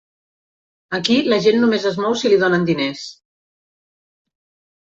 Aquí la gent només es mou si li donen diners.